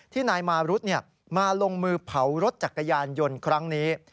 นายมารุธมาลงมือเผารถจักรยานยนต์ครั้งนี้